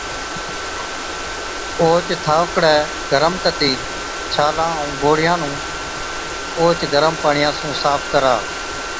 اوهچ ٿوڪڙَي گرم ڪتِي ڇالان ائُون گوڙهِيان نُون اوهچ گرم پاڻِيان سُون صاف ڪرا۔